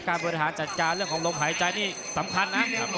บริหารจัดการเรื่องของลมหายใจนี่สำคัญนะ